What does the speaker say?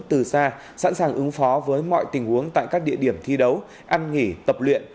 từ xa sẵn sàng ứng phó với mọi tình huống tại các địa điểm thi đấu ăn nghỉ tập luyện